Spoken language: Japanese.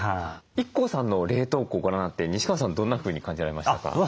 ＩＫＫＯさんの冷凍庫ご覧になって西川さんどんなふうに感じられましたか？